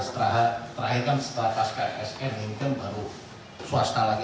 terakhir kan setelah pas ksn ini kan baru swasta lagi